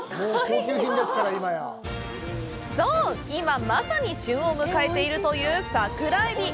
そう、今まさに旬を迎えているという桜エビ。